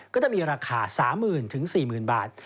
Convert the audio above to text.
ก็จะมีราคา๓๐๐๐๔๐๐๐บาท